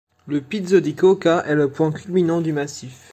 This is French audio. Le Pizzo di Coca est le point culminant du massif.